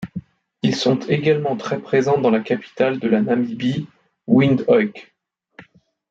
Ils sont également très présents dans la capitale de la Namibie, Windhoek.